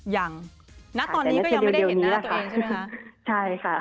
ยังณตอนนี้ก็ยังไม่ได้เห็นหน้าตัวเองใช่ไหมคะ